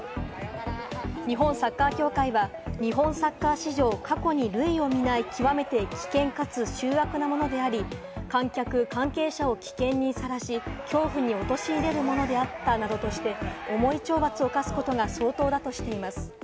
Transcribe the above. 日本サッカー協会は、日本サッカー史上、過去に類を見ない極めて危険かつ醜悪なものであり、観客・関係者を危険にさらし、恐怖に陥れるものであったなどとして重い懲罰を科すことが相当だとしています。